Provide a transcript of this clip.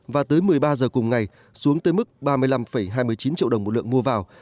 và tới một mươi ba giờ cùng ngày xuống tới mức ba mươi năm hai mươi chín triệu đồng một lượng mua vào